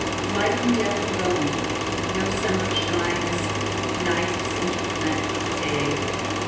Blight and death alone.No summer shines. Night is interblent with Day.